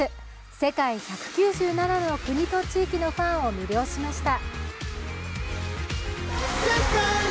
世界１９７の国と地域のファンを魅了しました。